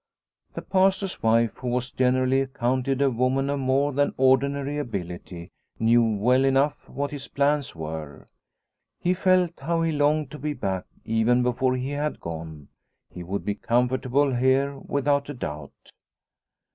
The Pastor's wife, who was generally accounted a woman of more than ordinary ability, knew well enough what his plans were. He felt how he longed to be back even before he had gone. He would be comfortable here without a doubt.